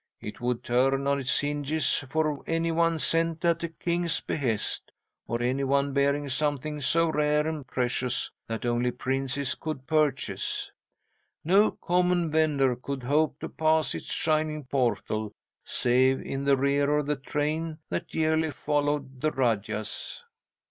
It would turn on its hinges for any one sent at a king's behest, or any one bearing something so rare and precious that only princes could purchase. No common vender could hope to pass its shining portal save in the rear of the train that yearly followed the rajahs.